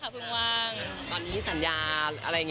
พึ่งว่าง